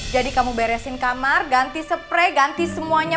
jadi kamu beresin kamar ganti spray ganti semuanya